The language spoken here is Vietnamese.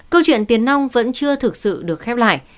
câu chuyện tiền nông vẫn chưa thực sự được khép lại